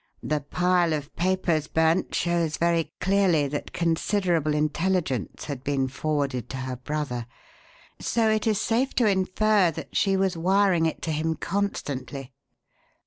The pile of papers burnt shows very clearly that considerable intelligence had been forwarded to her brother, so it is safe to infer that she was wiring it to him constantly."